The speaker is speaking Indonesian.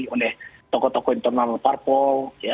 oleh tokoh tokoh internal parpol